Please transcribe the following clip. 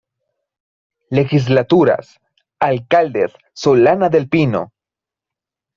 Legislaturas: Alcaldes Solana del Pino.